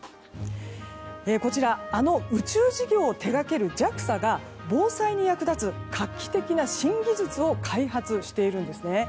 あの宇宙事業を手掛けるＪＡＸＡが防災に役立つ画期的な新技術を開発しているんですね。